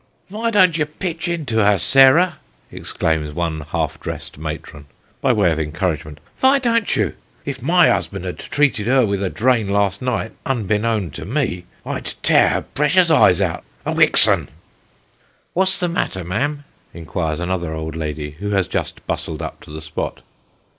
" Vy don't you pitch into her, Sarah ?" exclaims one half dressed matron, by way of encouragement. " Vy don't you ? if my 'usband had treated her with a drain last night, unbeknown to me, I'd tear her precious eyes out a wixen !" "What's the matter, ma'am?" inquires another old woman, who has just bustled up to the spot.